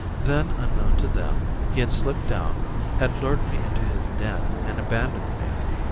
Then, unknown to them, he had slipped down, had lured me into his den and abandoned me.